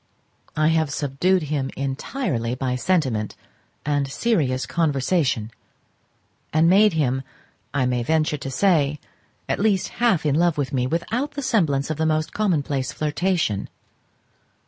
I have subdued him entirely by sentiment and serious conversation, and made him, I may venture to say, at least half in love with me, without the semblance of the most commonplace flirtation.